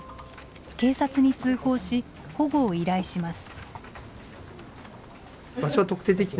警察に通報し保護を依頼します。